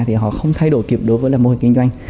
thì họ không thay đổi kịp đối với là mô hình kinh doanh